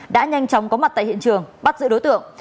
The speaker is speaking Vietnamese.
đã nhanh chóng có mặt tại hiện trường bắt giữ đối tượng